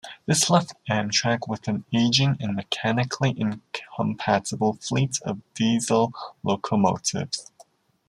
This left Amtrak with an aging and mechanically-incompatible fleet of diesel locomotives.